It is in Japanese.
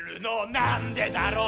「なんでだろう」